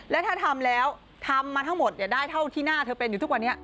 แล้วถ้าทำแล้วทำมาทั้งหมดได้เท่าที่หน้าเธอเป็นอยู่ทุกวันนี้